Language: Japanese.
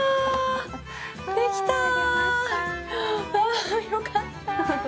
あよかった。